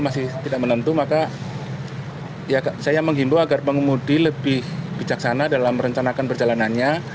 masih tidak menentu maka saya menghimbau agar pengemudi lebih bijaksana dalam merencanakan perjalanannya